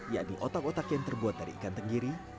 yakni otak otak yang terbuat dari ikan tenggiri